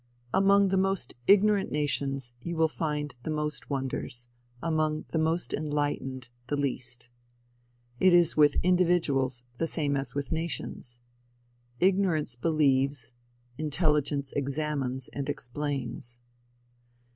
Among the most ignorant nations you will find the most wonders, among the most enlightened, the least. It is with individuals, the same as with nations. Ignorance believes, Intelligence examines and explains.